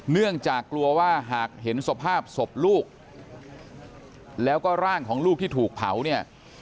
เนื่องจากกลัวว่าหากเห็นสภาพศพลูกแล้วก็ร่างของลูกที่ถูกเผาเนี่ย